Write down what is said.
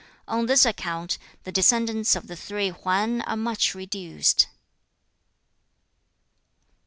On this account, the descendants of the three Hwan are much reduced.'